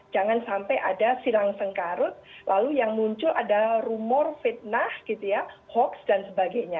jangan sampai ada silang sengkarut lalu yang muncul ada rumor fitnah gitu ya hoax dan sebagainya